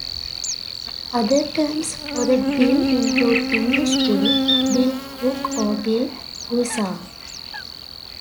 Other terms for the bill include English bill, bill hook or bill-guisarme.